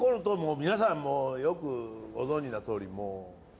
皆さんもうよくご存じなとおり。